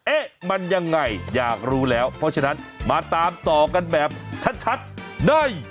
เอ๊ะมันยังไงอยากรู้แล้วเพราะฉะนั้นมาตามต่อกันแบบชัดใน